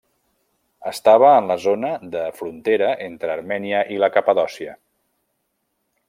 Estava en la zona de frontera entre Armènia i la Capadòcia.